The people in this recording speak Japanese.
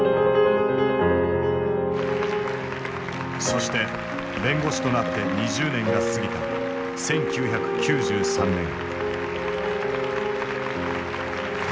そして弁護士となって２０年が過ぎた１９９３年。